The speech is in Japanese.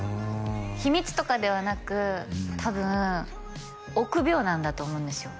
秘密とかではなく多分臆病なんだと思うんですよ